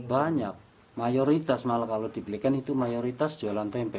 banyak mayoritas malah kalau di pliken itu mayoritas jualan tempe